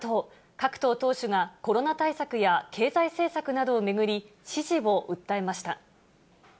各党党首がコロナ対策や経済政策などを巡り、支持を訴えました。